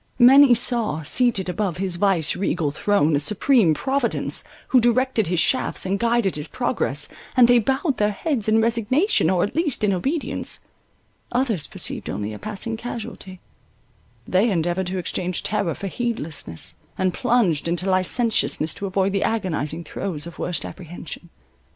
Many saw, seated above his vice regal throne, a supreme Providence, who directed his shafts, and guided his progress, and they bowed their heads in resignation, or at least in obedience. Others perceived only a passing casualty; they endeavoured to exchange terror for heedlessness, and plunged into licentiousness, to avoid the agonizing throes of worst apprehension.